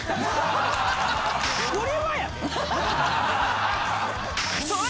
俺はやで？